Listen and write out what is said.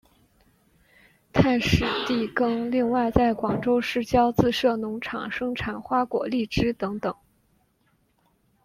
太史第更另外在广州市郊自设农场生产花果荔枝等等。